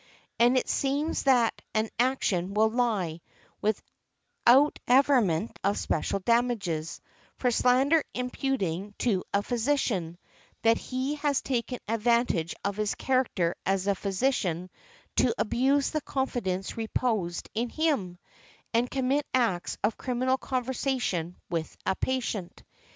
And it seems that an action will lie, without averment of special damages, for slander imputing to a physician, that he has taken advantage of his character as a physician to abuse the confidence reposed in him, and commit acts of criminal conversation with a patient .